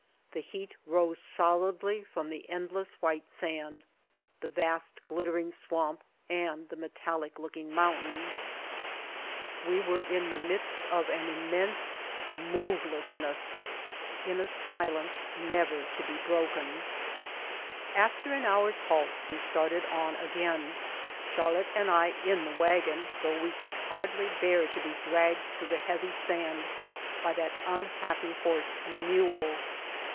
The heat rose solidly from the endless white sand, the vast glistening swamp and the metallic look ing mountains. We were in the midst of an White Heart of Mojave immense movelessness, in a silence never to be broken. After an hour's halt we started on again, Charlotte and I in the wagon, though we could hardly bear to be dragged through the heavy sand by that unhappy horse and mule.